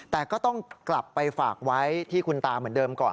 แต่ก็ต้องกลับไปฝากไว้ที่คุณตาเหมือนเดิมก่อน